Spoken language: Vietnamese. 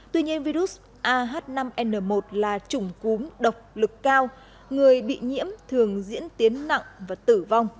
tuy nhiên virus ah năm n một là chủng cúm độc lực cao người bị nhiễm thường diễn tiến nặng và tử vong